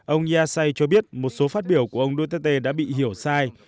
ông yassai cho biết một số phát biểu của ông duterte đã bị hiểu sai